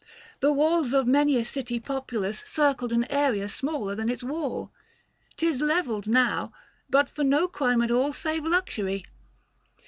The walls of many a city populous Circled an area smaller than its wall. Tis levelled now, but for no crime at all Save luxury.